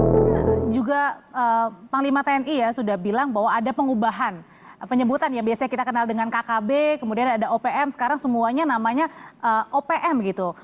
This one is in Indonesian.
pada saat ini pembangunan tni sudah bilang bahwa ada pengubahan penyebutan yang biasanya kita kenal dengan kkb kemudian ada opm sekarang semuanya namanya opm